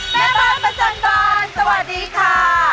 แม่บ้านประจันกรสวัสดีค่ะ